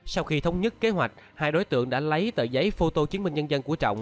sau khi thống nhất kế hoạch hai đối tượng đã lấy tờ giấy phô tô chứng minh nhân dân của trọng